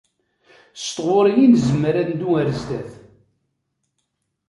S tɣuṛi i nezmer ad neddu ar zdat.